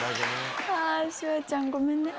シュワちゃんごめんね。